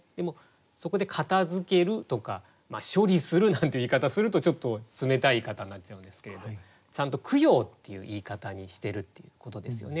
そこで「片づける」とか「処理する」なんて言い方するとちょっと冷たい言い方になっちゃうんですけれどちゃんと「供養」っていう言い方にしてるっていうことですよね。